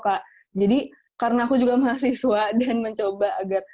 kak jadi karena aku juga mahasiswa dan mencoba agar